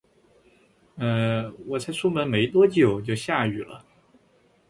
呃，我才出门没多久，就下雨了